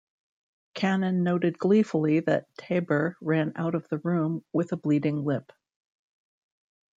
Cannon noted gleefully that Taber ran out of the room with a bleeding lip.